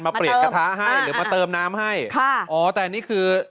เปลี่ยนกระทะให้หรือมาเติมน้ำให้ค่ะอ๋อแต่นี่คือ